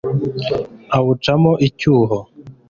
awucamo icyuho